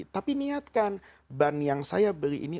tapi niatkan ban yang saya beli ini